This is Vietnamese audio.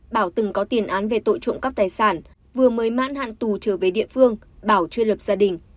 bảo từng có tiền án về tội trộm cắp tài sản vừa mới mãn hạn tù trở về địa phương bảo chưa lập gia đình